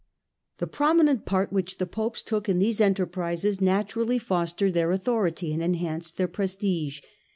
The prominent part which the Popes took in these enterprises naturally fostered their authority and enhanced their prestige.